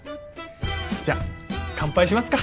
じゃあ乾杯しますか！